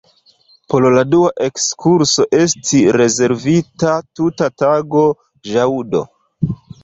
Por la dua ekskurso esti rezervita tuta tago, ĵaŭdo.